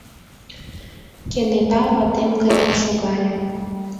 Кенета ватем кынел шогале: